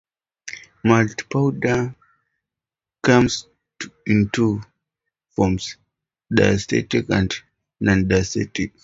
Malt powder comes in two forms: diastatic and nondiastatic.